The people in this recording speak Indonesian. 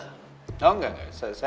tidak saya tidak